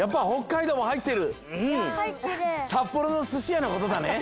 さっぽろのすしやのことだね。